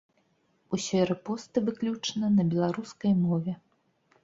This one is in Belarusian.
Усе рэпосты выключна на беларускай мове.